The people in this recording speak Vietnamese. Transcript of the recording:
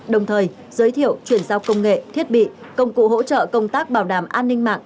đồng thời giới thiệu chuyển giao công nghệ thiết bị công cụ hỗ trợ công tác bảo đảm an ninh mạng